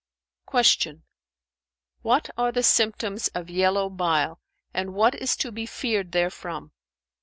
'"[FN#401] Q "What are the symptoms of yellow bile and what is to be feared therefrom?"